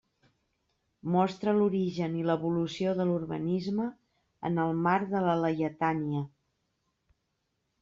Mostra l'origen i l'evolució de l'urbanisme en el marc de la Laietània.